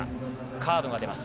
カードが出ます。